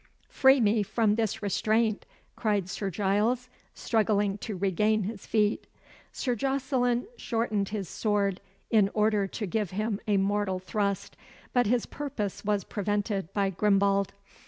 "Free me from this restraint," cried Sir Giles, struggling to regain his feet. Sir Jocelyn shortened his sword in order to give him a mortal thrust, but his purpose was prevented by Grimbald.